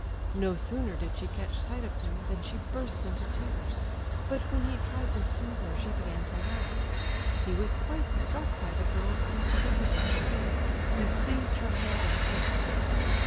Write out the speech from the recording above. No sooner did she catch sight of him than she burst into tears; but when he tried to soothe her she began to laugh. He was quite struck by the girl's deep sympathy for him; he seized her hand and kissed it.